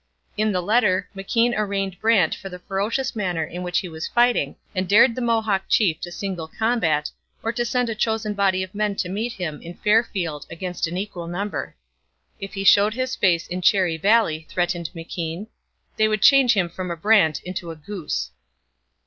In the letter McKean arraigned Brant for the ferocious manner in which he was fighting, and dared the Mohawk chief to single combat, or to send a chosen body of men to meet him in fair field against an equal number. If he showed his face in Cherry Valley, threatened McKean, 'they would change him from a Brant into a Goose.'